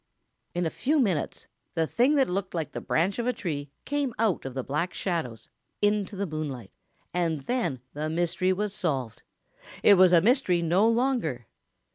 In a few minutes the thing that looked like the branch of a tree came out of the Black Shadows into the moonlight, and then the mystery was solved. It was a mystery no longer.